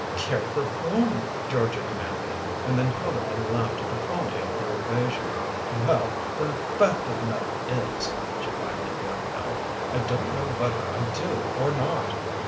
"Care for whom?" Georgia demanded, and then coloured and laughed at the folly of her evasion. "Well, the fact of the matter is," she finally blurted out, "I don't know whether I do or not.